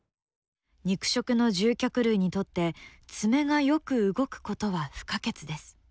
肉食の獣脚類にとって爪がよく動くことは不可欠です。